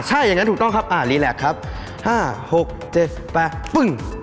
ใช่อย่างงั้นถูกต้องครับอ่าครับห้าหกเจ็บแปดปึ้ง